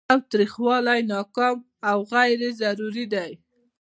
تاوتریخوالی ناکام او غیر ضروري دی.